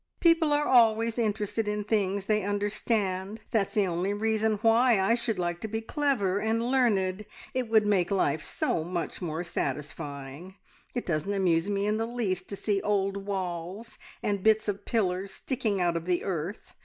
"People are always interested in things they understand. That's the only reason why I should like to be clever and learned it would make life so much more satisfying. It doesn't amuse me in the least to see old walls, and bits of pillars sticking out of the earth.